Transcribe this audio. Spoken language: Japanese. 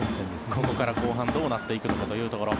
ここから後半どうなっていくのかというところ。